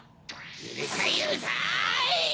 うるさいうるさい！